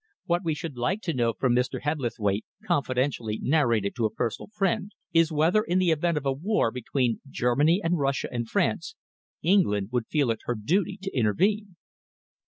What we should like to know from Mr. Hebblethwaite, confidentially narrated to a personal friend, is whether, in the event of a war between Germany and Russia and France, England would feel it her duty to intervene?"